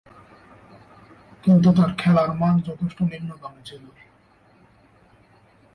কিন্তু, তার খেলার মান যথেষ্ট নিম্নগামী ছিল।